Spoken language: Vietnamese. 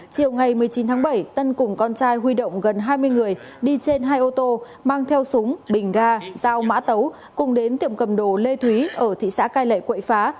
chiều ngày một mươi chín tháng bảy tân cùng con trai huy động gần hai mươi người đi trên hai ô tô mang theo súng bình ga dao mã tấu cùng đến tiệm cầm đồ lê thúy ở thị xã cai lệ quậy phá